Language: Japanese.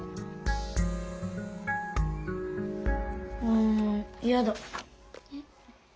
うんやだ。えっ？